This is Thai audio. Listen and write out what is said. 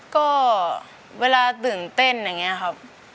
ก็เวลาตื่นเต้นอย่างนี้ครับ